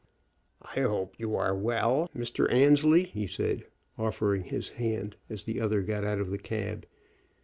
"I hope you are well, Mr. Annesley," he said, offering his hand as the other got out of the cab.